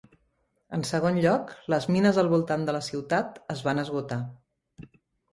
En segon lloc, les mines al voltant de la ciutat es van esgotar.